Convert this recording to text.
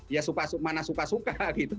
ya mana suka suka gitu